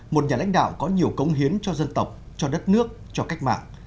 một nhà lãnh đạo có nhiều cống hiến cho dân tộc cho đất nước cho cách mạng